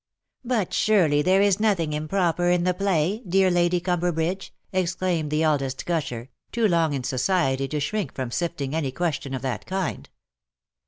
'^ But, surely there is nothing improper in the play, dear Lady Cumberbridge,'''' exclaimed the eldest gusher, too long in society to shrink from sifting any question of that kind.